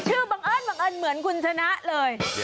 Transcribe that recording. บังเอิญบังเอิญเหมือนคุณชนะเลย